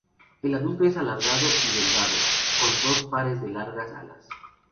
El adulto es alargado y delgado, con dos pares de largas alas.